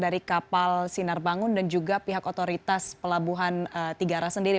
dari kapal sinar bangun dan juga pihak otoritas pelabuhan tiga ras sendiri